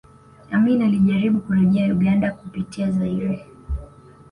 Amin alijaribu kurejea Uganda kupitia Zaire